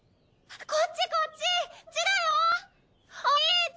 こっちこっち！